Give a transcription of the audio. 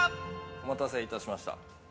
お待たせいたしました。